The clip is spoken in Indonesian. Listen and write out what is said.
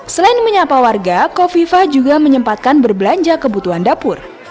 selain menyapa warga kofifa juga menyempatkan berbelanja kebutuhan dapur